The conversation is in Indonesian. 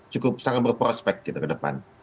cukup sangat berprospek gitu ke depan